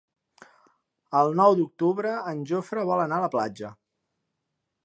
El nou d'octubre en Jofre vol anar a la platja.